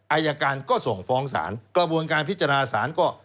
อายการก็ส่งฟ้องศาลกระบวนการพิจารณาศาลก็